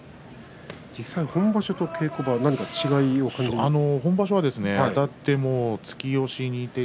実際、本場所と稽古場は違いありますか。